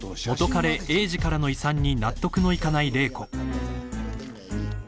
［元カレ栄治からの遺産に納得のいかない麗子］